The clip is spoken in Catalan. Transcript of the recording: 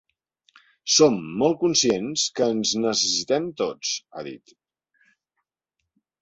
Som molt conscients que ens necessitem tots –ha dit–.